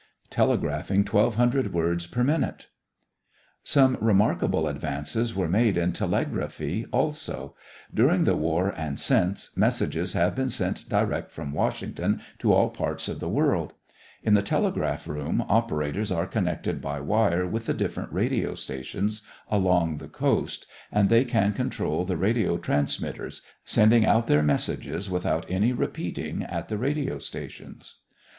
TELEGRAPHING TWELVE HUNDRED WORDS PER MINUTE Some remarkable advances were made in telegraphy also. During the war and since, messages have been sent direct from Washington to all parts of the world. In the telegraph room operators are connected by wire with the different radio stations along the coast and they can control the radio transmitters, sending their messages without any repeating at the radio stations.